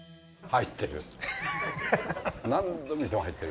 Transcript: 入ってた？